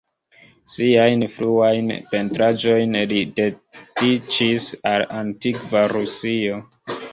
Siajn fruajn pentraĵojn li dediĉis al antikva Rusio.